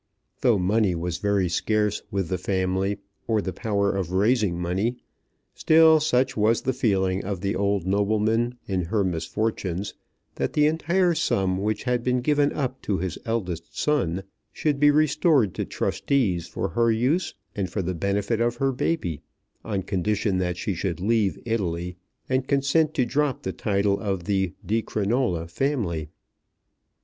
Though money was very scarce with the family, or the power of raising money, still such was the feeling of the old nobleman in her misfortunes that the entire sum which had been given up to his eldest son should be restored to trustees for her use and for the benefit of her baby, on condition that she should leave Italy, and consent to drop the title of the Di Crinola family.